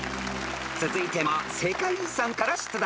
［続いても世界遺産から出題］